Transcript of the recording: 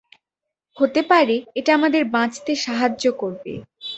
হতে পারে এটা আমাদের বাঁচতে সাহায্য করবে।